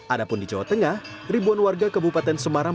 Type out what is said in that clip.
ada pun di jawa tengah ribuan warga kabupaten semarang